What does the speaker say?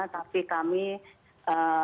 tapi kami mulai mendata kemungkinan relawan